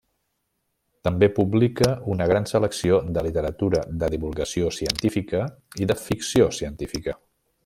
També publica una gran selecció de literatura de divulgació científica i de ficció científica.